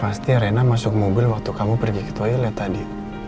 pasti arena masuk mobil waktu kamu pergi ke toilet tadi